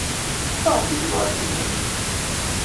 Maɣef ay yebɣa ad yemmet?